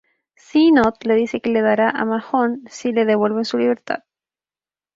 C-Note le dice que le dará a Mahone, si le devuelven su libertad.